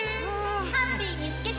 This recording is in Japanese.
ハッピーみつけた！